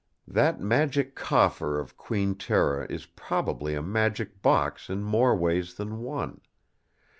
That Magic Coffer of Queen Tera is probably a magic box in more ways than one.